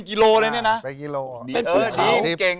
เดี๋ยวจะไปเอางาไส้